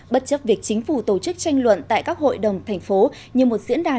bất chấp việc chính phủ tổ chức tranh luận tại các hội đồng thành phố như một diễn đàn